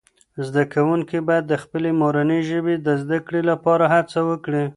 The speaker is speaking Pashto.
زده کوونکي باید د خپلې مورنۍ ژبې د زده کړې لپاره هڅه وکړي.